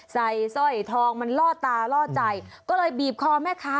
สร้อยทองมันล่อตาล่อใจก็เลยบีบคอแม่ค้า